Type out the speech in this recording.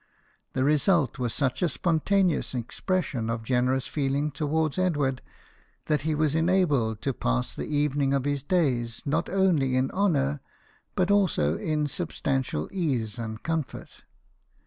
The result was such a spontaneous expression of generous feeling towards Edward that he was enabled to pass the evening of his days not only in honour, but also in substantial ease and comfort.